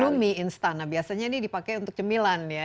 kalau mie instan biasanya ini dipakai untuk cemilan ya